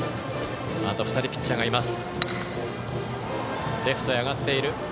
あと２人ピッチャーがいます。